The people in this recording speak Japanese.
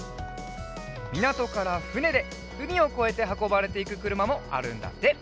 みなとからふねでうみをこえてはこばれていくくるまもあるんだって。